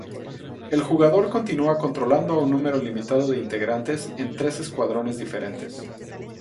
El jugador continua controlando a un número limitado de integrantes en tres escuadrones diferentes.